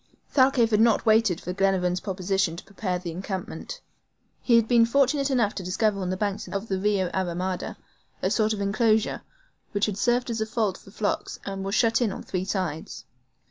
Thalcave had not waited for Glenarvan's proposition to prepare an encampment. He had been fortunate enough to discover on the banks of the rio a ramada, a sort of enclosure, which had served as a fold for flocks, and was shut in on three sides.